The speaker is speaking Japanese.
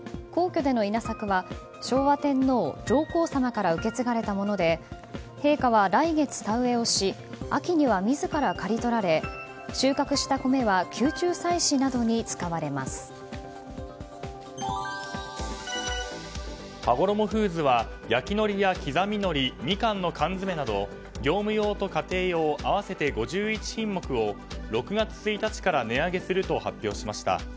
皇居での稲作は昭和天皇、上皇さまから受け継がれたもので陛下は来月、田植えをし秋には自ら刈り取られ収穫した際にははごろもフーズは焼きのりや刻みのり２缶の缶詰など業務用と家庭用合わせて５１品目を６月１日から値上げすると発表しました。